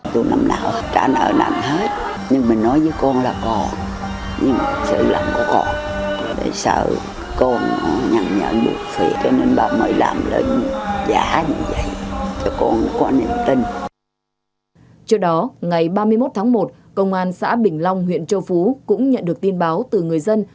trước đó ngày ba mươi một tháng một công an xã bình long huyện châu phú cũng nhận được tin báo từ người dân